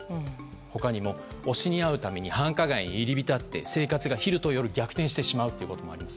他にも、推しに会うために繁華街に入り浸って生活が昼と夜逆転してしまうこともあります。